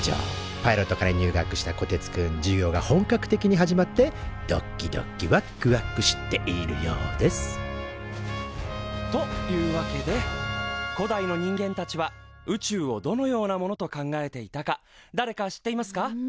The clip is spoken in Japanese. パイロット科に入学したこてつくん授業が本格的に始まってどっきどきわっくわくしているようですというわけで古代の人間たちは宇宙をどのようなものと考えていたかだれか知っていますか？